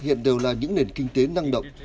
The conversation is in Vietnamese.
hiện đều là những nền kinh tế năng động